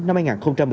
của bộ công an